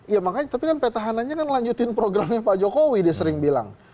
ya makanya tapi kan petahananya kan lanjutin programnya pak jokowi dia sering bilang